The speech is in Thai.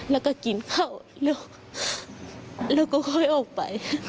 แล้วก็กินเข้าเราก็ค่อยออกไป